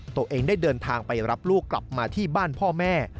ตัวเองได้เดินทางไปรับลูกกลับมาที่บ้านพ่อแม่